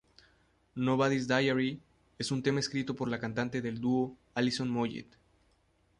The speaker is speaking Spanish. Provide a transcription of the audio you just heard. Nobody's Diary es un tema escrito por la cantante del dúo Alison Moyet.